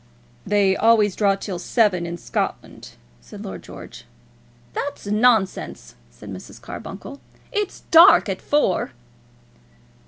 "They always draw till seven, in Scotland," said Lord George. "That's nonsense," said Mrs. Carbuncle. "It's dark at four."